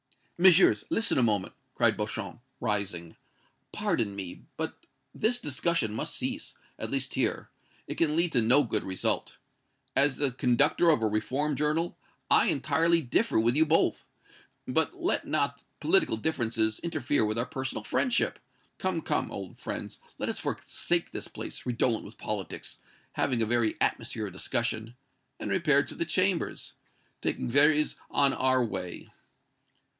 "Messieurs, listen a moment!" cried Beauchamp, rising. "Pardon me, but this discussion must cease, at least here. It can lead to no good result. As the conductor of a reform journal, I entirely differ with you both. But let not political differences interfere with our personal friendship. Come, come, old friends, let us forsake this place, redolent with politics, having a very atmosphere of discussion, and repair to the Chambers, taking Véry's on our way."